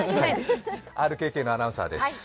ＲＫＫのアナウンサーです。